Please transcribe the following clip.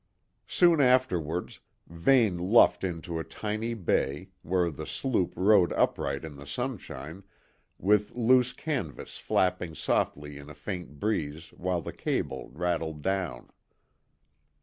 Soon afterwards, Vane luffed into a tiny bay, where the sloop rode upright in the sunshine, with loose canvas flapping softly in a faint breeze while the cable rattled down.